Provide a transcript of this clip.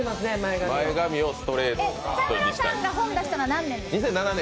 田村さんが本出したのは何年？